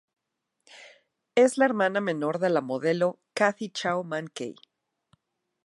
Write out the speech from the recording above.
Es la hermana menor de la modelo Kathy Chow Man Kei.